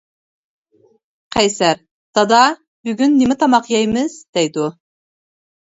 قەيسەر:-دادا، بۈگۈن نېمە تاماق يەيمىز دەيدۇ.